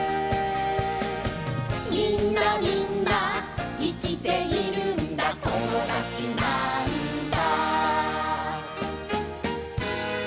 「みんなみんないきているんだともだちなんだ」